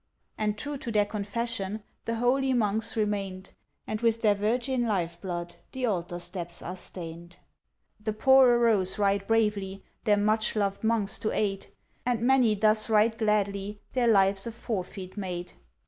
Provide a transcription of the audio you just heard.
And true to their confession The holy Monks remained, And with their virgin life blood The Altar steps are stained. The poor arose right bravely, Their much loved Monks to aid, And many thus right gladly Their lives a forfeit made.